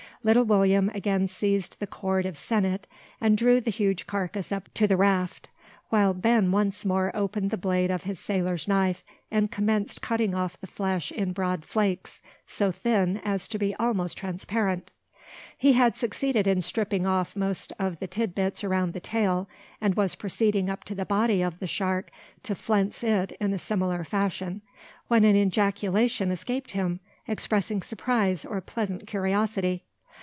Little William again seized the cord of sennit, and drew the huge carcass close up to the raft; while Ben once more opened the blade of his sailor's knife, and commenced cutting off the flesh in broad flakes, so thin as to be almost transparent. He had succeeded in stripping off most of the titbits around the tail, and was proceeding up the body of the shark to flense it in a similar fashion, when an ejaculation escaped him, expressing surprise or pleasant curiosity.